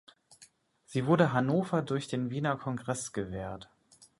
Sie wurde Hannover durch den Wiener Kongress gewährt.